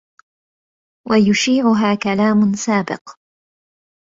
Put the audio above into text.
وَيُشِيعُهَا كَلَامٌ سَابِقٌ